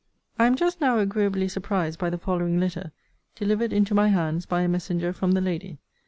I am just now agreeably surprised by the following letter, delivered into my hands by a messenger from the lady.